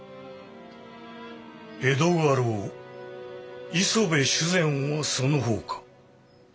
江戸家老磯部主膳はその方か？